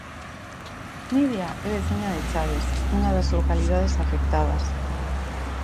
Nidia é veciña de Chaves, unha das localidades afectadas.